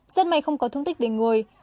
rất may không có thương tích về người